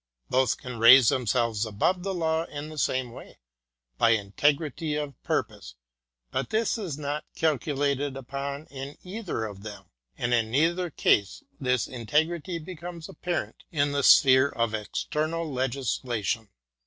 Both can raise themselves above the law in the same way, by integrity of purpose; but this is not calcu lated upon in either of them, and in neither can this integ rity become apparent in the sphere of external legislation.